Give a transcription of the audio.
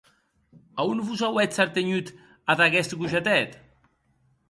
A on vos auetz artenhut ad aguest gojatet?